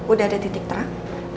udah ada titik terang